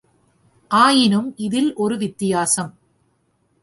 ஆயினும் இதில் ஒரு வித்தியாசம்.